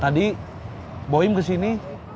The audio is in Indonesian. tadi boim kesini